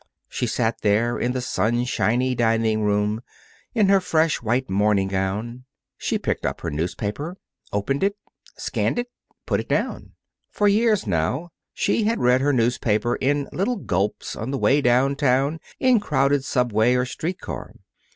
She sat there, in the sunshiny dining room, in her fresh, white morning gown. She picked up her newspaper, opened it; scanned it, put it down. For years, now, she had read her newspaper in little gulps on the way downtown in crowded subway or street car.